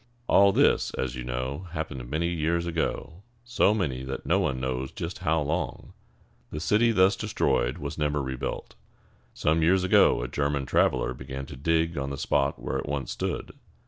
All this, as you know, happened many years ago, so many that no one knows just how long. The city thus destroyed was never rebuilt. Some years ago a German traveler began to dig on the spot where it once stood.